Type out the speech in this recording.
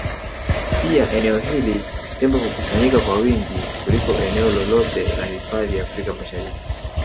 Pia eneo hili Tembo hukusanyika kwa wingi kuliko eneo lolote la hifadhi Afrika Mashariki